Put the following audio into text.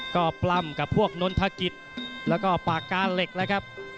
ก็ปรำกับพวกนนทกิศและปากกาเหล็กละครับ